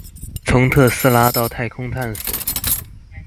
從特斯拉到太空探索